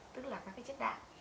tức là các chất đạng